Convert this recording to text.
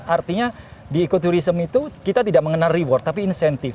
artinya di ekoturism itu kita tidak mengenal reward tapi insentif